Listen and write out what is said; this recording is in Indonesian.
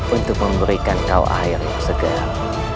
untuk memberikan kau air yang segar